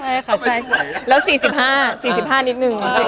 ใช่ค่ะใช่แล้วสี่สิบห้าสี่สิบห้านิดนึง